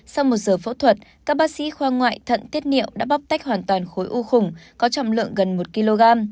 sau một giờ phẫu thuật các bác sĩ khoa ngoại thận tiết niệu đã bóc tách hoàn toàn khối u khủng có trọng lượng gần một kg